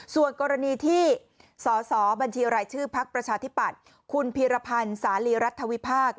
ส่วนกรณีที่สสบัญชีรายชื่อภักดิ์ประชาธิบัติคุณเพียรพันธ์สาลีรัฐวิภาค